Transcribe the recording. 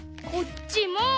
こっちも。